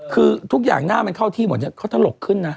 คือทุกอย่างหน้ามันเข้าที่หมดเนี่ยเขาถลกขึ้นนะ